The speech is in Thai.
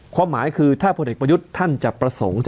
ความหมายคือถ้าพลเอกประยุทธ์ท่านจะประสงค์